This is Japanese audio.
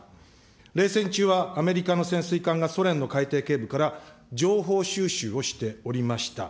冷戦中は、アメリカの潜水艦がソ連の海底ケーブルから情報収集をしておりました。